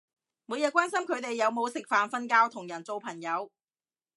每日關心佢哋有冇食飯瞓覺同人做朋友